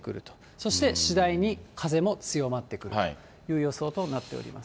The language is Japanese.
そして次第に風も強まってくるという予想となっております。